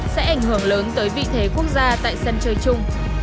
sẽ ảnh hưởng lớn tới vị thế quốc gia tại sân chơi chung